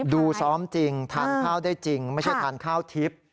ดูซ้อมจริงทานข้าวได้จริงไม่ใช่ทานข้าวทิพย์